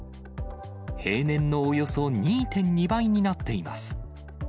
平年のおよそ２．２倍になっています。